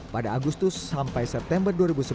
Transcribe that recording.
pada agustus sampai september dua ribu sebelas